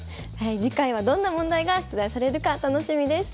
次回はどんな問題が出題されるか楽しみです。